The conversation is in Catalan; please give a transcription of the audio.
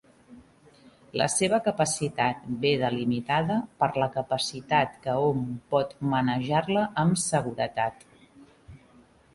La seva capacitat ve delimitada per la capacitat que hom pot manejar-la amb seguretat.